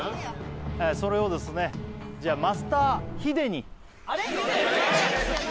それをですねじゃあマスターヒデにヒデ？